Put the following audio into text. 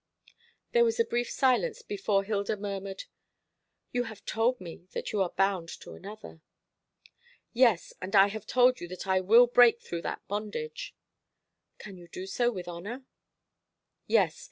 There was a brief silence before Hilda murmured, "You have told me that you are bound to another." "Yes, and I have told you that I will break through that bondage." "Can you do so with honour?" "Yes.